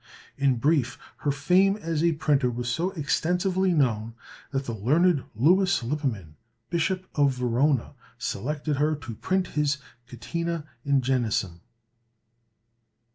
In brief, her fame as a printer was so extensively known that the learned Lewis Lippeman, Bishop of Verona, selected her to print his "Catena in Genesim."